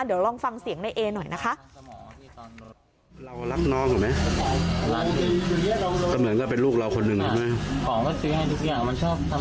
เดี๋ยวลองฟังเสียงในเอหน่อยนะคะ